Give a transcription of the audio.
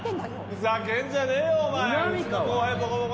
ふざけんじゃねえよ